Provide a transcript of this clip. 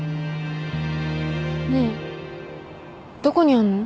ねえどこにあんの？